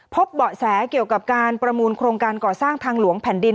เบาะแสเกี่ยวกับการประมูลโครงการก่อสร้างทางหลวงแผ่นดิน